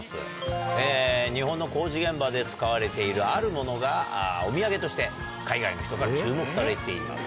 日本の工事現場で使われているあるものがお土産として海外の人から注目されています。